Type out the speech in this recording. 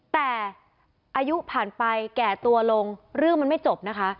แต่อายุผ่านไปแก่ตัวลงเรื่องมันไม่จบนะคะ